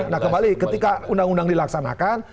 nah kembali ketika undang undang dilaksanakan